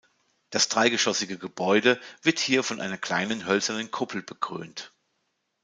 Das dreigeschossige Gebäude wird hier von einer kleinen hölzernen Kuppel bekrönt.